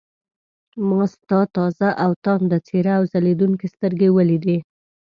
ما ستا تازه او تانده څېره او ځلېدونکې سترګې ولیدې.